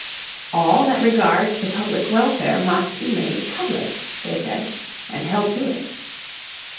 "All that regards the public welfare must be made public," they said, and held to it.